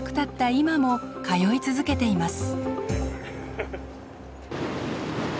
今も通い続けています。